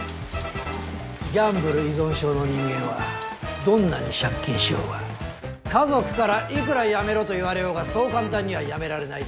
ギャンブル依存症の人間はどんなに借金しようが家族からいくらやめろと言われようがそう簡単にはやめられない。